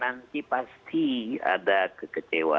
dan nanti pasti ada kekecewaan